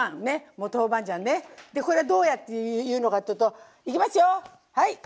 これどうやって言うのかっていうといきますよはい。